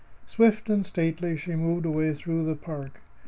Swift and stately she moved away through the dusk.